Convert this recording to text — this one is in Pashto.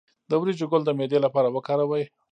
د وریجو ګل د معدې لپاره وکاروئ